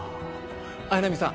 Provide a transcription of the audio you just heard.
綾波さん